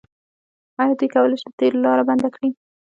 آیا دوی کولی شي د تیلو لاره بنده کړي؟